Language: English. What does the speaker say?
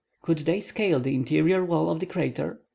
Could they scale the interior wall of the crater?